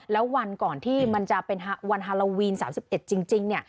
แล้ววันก่อนที่มันจะเป็นวันฮาโลวีน๓๑จริงเนี่ย